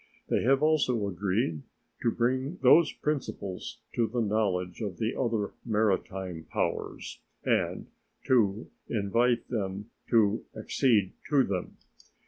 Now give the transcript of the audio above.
They have also agreed to bring those principles to the knowledge of the other maritime powers and to invite them to accede to them.